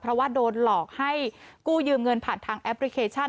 เพราะว่าโดนหลอกให้กู้ยืมเงินผ่านทางแอปพลิเคชัน